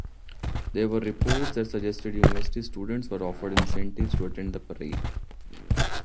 There were reports that suggested university students were offered incentives to attend the parade.